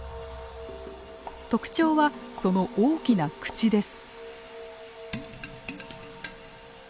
特徴はその大きな口です。